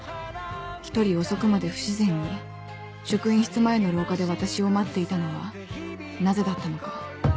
一人遅くまで不自然に職員室前の廊下で私を待っていたのはなぜだったのか